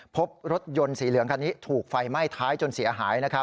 พบรถยนต์สีเหลืองคันนี้ถูกไฟไหม้ท้ายจนเสียหาย